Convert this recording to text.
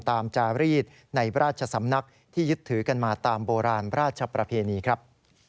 จารีสในราชสำนักที่ยึดถือกันมาตามโบราณราชประเพณีครับ